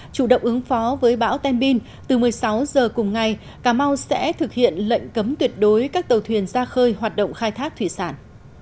chủ động ứng phó với bão tem bin từ một mươi sáu h cùng ngày cà mau sẽ thực hiện lệnh cấm tuyệt đối các tàu thuyền ra khơi hoạt động khai thác thủy sản